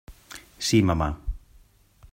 Sí, mamà.